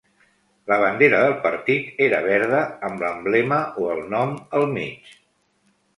La bandera del Partit era verda amb l'emblema o el nom al mig.